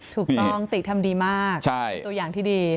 ถูกต้องติดทำดีมากใช่ตัวอย่างที่ดี